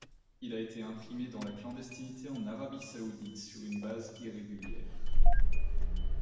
Il a été imprimé dans la clandestinité en Arabie saoudite sur une base irrégulière.